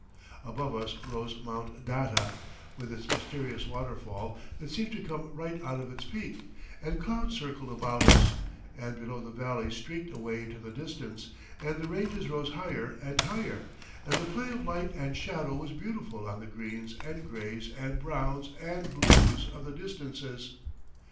Above us rose Mount Data, with its mysterious waterfall that seems to come right out of its peak, and clouds circled about us, and below the valleys streaked away into the distance and the ranges rose higher and higher, and the play of light and shadow was beautiful on the greens and grays and browns and blues of the distances.